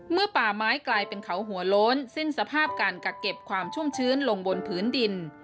ป่าไม้กลายเป็นเขาหัวโล้นสิ้นสภาพการกักเก็บความชุ่มชื้นลงบนพื้นดิน